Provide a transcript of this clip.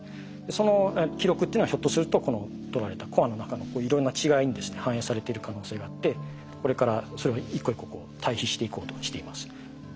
その記録っていうのはひょっとするとこの取られたコアの中のいろんな違いにですね反映されている可能性があってこれからそれを一個一個対比していこうとしています。